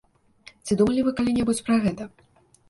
Ці думалі вы калі-небудзь пра гэта?